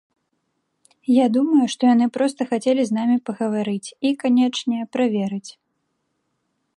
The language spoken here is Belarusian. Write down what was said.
Я думаю, што яны проста хацелі з намі пагаварыць, і, канечне, праверыць.